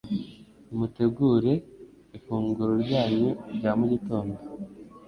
Nimutegure ifunguro ryanyu rya mugitondo